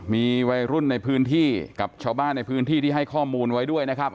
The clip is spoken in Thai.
มีวัยรุ่นในพื้นที่กับชาวบ้านในพื้นที่ที่ให้ข้อมูลไว้ด้วยนะครับ